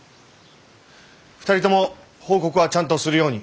２人とも報告はちゃんとするように。